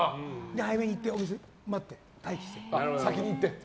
早めに行って、お店で待機して。